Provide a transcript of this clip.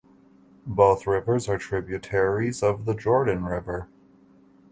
Both rivers are tributaries of the Jordan River.